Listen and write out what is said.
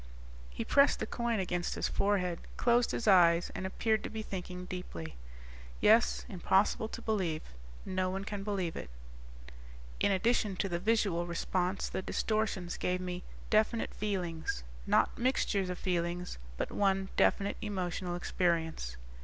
_He pressed the coin against his forehead, closed his eyes and appeared to be thinking deeply. "Yes, impossible to believe. No one can believe it."_ "In addition to the visual response, the distortions gave me definite feelings. Not mixtures of feelings, but one definite emotional experience."